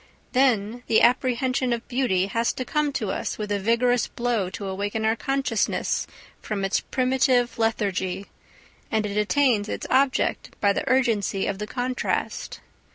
Then the apprehension of beauty has to come to us with a vigorous blow to awaken our consciousness from its primitive lethargy, and it attains its object by the urgency of the contrast.